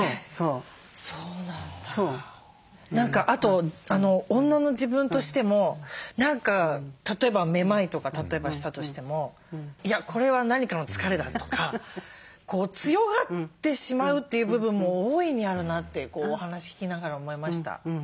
あと女の自分としても例えばめまいとか例えばしたとしてもいやこれは何かの疲れだとか強がってしまうという部分も大いにあるなってお話聞きながら思いました。